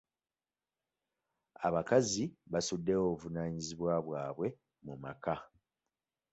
Abakazi basuddewo obuvunaanyizibwa bwabwe mu maka.